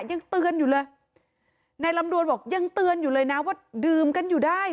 ยังเตือนอยู่เลยนายลำดวนบอกยังเตือนอยู่เลยนะว่าดื่มกันอยู่ได้